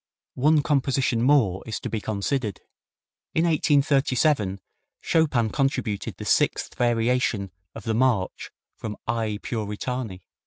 One composition more is to be considered. In 1837 Chopin contributed the sixth variation of the march from "I Puritani."